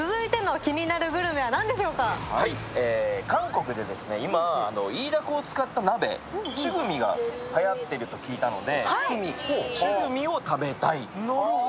韓国で今、イイダコを使った鍋、チュクミがはやっていると聞いたのでチュクミを食べたい。